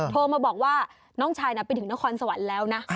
โทรมาบอกว่าน้องชายไปถึงนครสวรรค์แล้วนะ